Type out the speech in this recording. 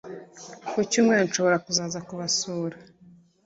kucyumweru nshobora kuzaza kubasura